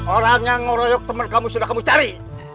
orang yang ngeroyok teman kamu sudah kamu cari